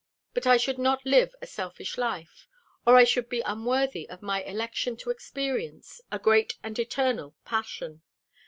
But I should not live a selfish life, or I should be unworthy of my election to experience a great and eternal passion.